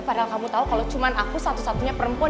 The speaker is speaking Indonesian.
padahal kamu tahu kalau cuma aku satu satunya perempuan